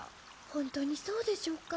本当にそうでしょうか？